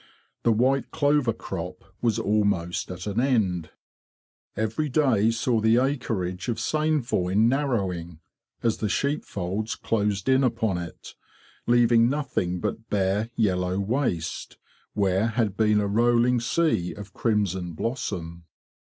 The white clover crop was almost at an end. Every day saw the acreage of sainfoin narrowing, as the sheep gE 65 66 THE BEE MASTER OF WARRILOW folds closed in upon it, leaving nothing but bare yellow waste, where had been a rolling sea of crimson blossom.